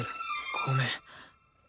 ごめん。